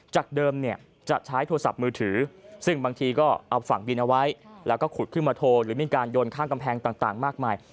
จากเดิมเนี่ยจะใช้โทรศัพท์มือถือซึ่งบางทีก็เอาฝั่งดินเอาไว้แล้วก็ขุดขึ้นมาโทรหรือมีการโยนข้างกำแพงต่างมากมาย